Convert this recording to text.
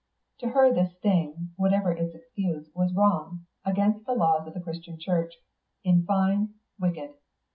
To her this thing, whatever its excuse, was wrong, against the laws of the Christian Church, in fine, wicked.